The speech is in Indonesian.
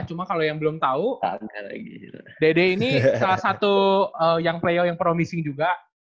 cuma kalau yang belum tahu dede ini salah satu yang player yang promising juga